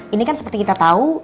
ini kan seperti kita tahu